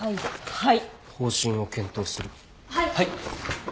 はい。